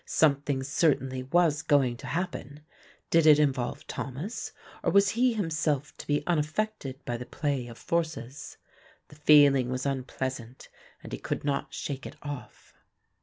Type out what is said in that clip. Something certainly was going to happen; did it involve Thomas, or was he himself to be unaffected by the play of forces? The feeling was unpleasant and he could not shake it off.